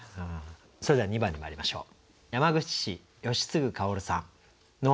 それでは２番にまいりましょう。